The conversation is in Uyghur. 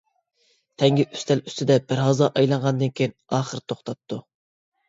تەڭگە ئۈستەل ئۈستىدە بىر ھازا ئايلانغاندىن كېيىن ئاخىر توختاپتۇ.